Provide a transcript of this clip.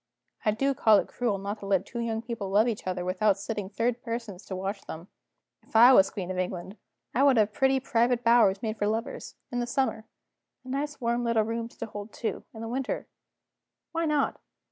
I do call it cruel not to let two young people love each other, without setting third persons to watch them. If I was Queen of England, I would have pretty private bowers made for lovers, in the summer, and nice warm little rooms to hold two, in the winter. Why not?